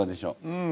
うん。